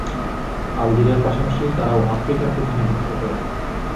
আলজেরিয়ার পাশাপাশি তারাও আফ্রিকার প্রতিনিধিত্ব করে।